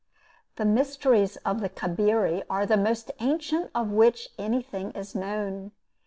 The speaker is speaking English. The mysteries of the Cabiri are the most ancient of which anything is known.